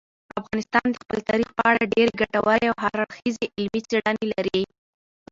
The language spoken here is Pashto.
افغانستان د خپل تاریخ په اړه ډېرې ګټورې او هر اړخیزې علمي څېړنې لري.